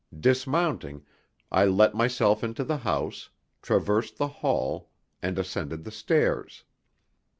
Dismounting, I let myself into the house, traversed the hall, and ascended the stairs.